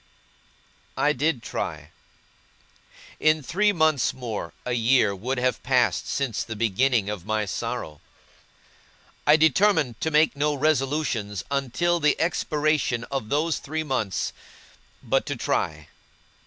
I did try. In three months more, a year would have passed since the beginning of my sorrow. I determined to make no resolutions until the expiration of those three months, but to try.